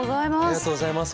ありがとうございます！